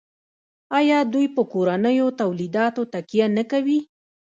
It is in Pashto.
آیا دوی په کورنیو تولیداتو تکیه نه کوي؟